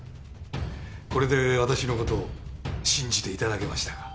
これで私のことを信じていただけましたか？